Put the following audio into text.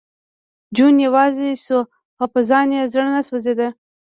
جون یوازې شو او په ځان یې زړه نه سېزېده